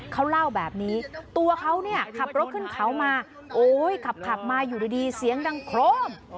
เขาเล่าแบบนี้ตัวเขาเนี่ยขับรถขึ้นเขามาโอ้ยขับมาอยู่ดีเสียงดังโครม